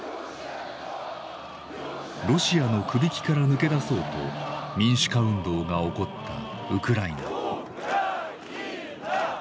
ロシアのくびきから抜け出そうと民主化運動が起こったウクライナ。